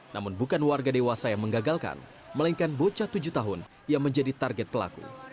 namun bukan warga dewasa yang menggagalkan melainkan bocah tujuh tahun yang menjadi target pelaku